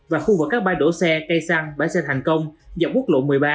và khu vực các bãi đổ xe cây xăng bãi xe thành công dọc quốc lộ một mươi ba